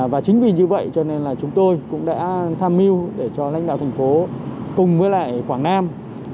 và chính vì như vậy cho nên là chúng tôi cũng đã tham mưu để cho lãnh đạo thành phố cùng với lại quảng nam